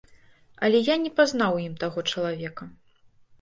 Але я не пазнаў у ім таго чалавека.